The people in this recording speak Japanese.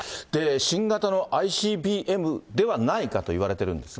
新型のＩＣＢＭではないかといわれてるんですが。